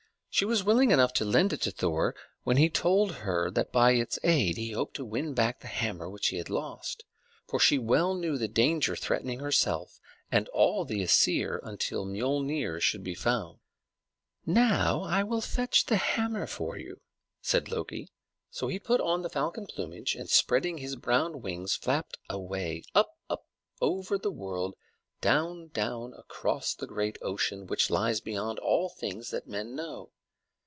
She was willing enough to lend it to Thor when he told her that by its aid he hoped to win back the hammer which he had lost; for she well knew the danger threatening herself and all the Æsir until Miölnir should be found. "Now will I fetch the hammer for you," said Loki. So he put on the falcon plumage, and, spreading his brown wings, flapped away up, up, over the world, down, down, across the great ocean which lies beyond all things that men know.